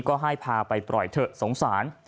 ก็ให้พาไปปล่อยเถอะสงสาร